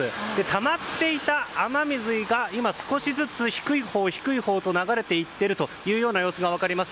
たまっていた雨水が今、少しずつ低いほうへと流れていっているという様子が分かります。